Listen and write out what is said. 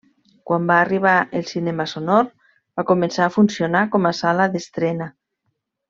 Quan va arribar el cinema sonor, va començar a funcionar com a sala d'estrena.